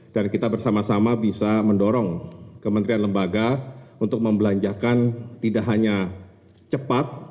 dan kita bersama sama bisa mendorong kementerian lembaga untuk membelanjakan tidak hanya cepat